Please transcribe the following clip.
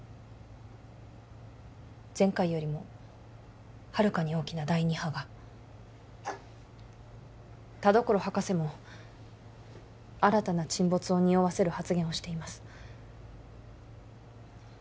前回よりもはるかに大きな第二波が田所博士も新たな沈没をにおわせる発言をしています